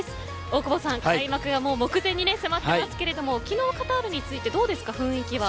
大久保さん開幕が目前に迫っていますけれど昨日カタールに着いてどうですか、雰囲気は。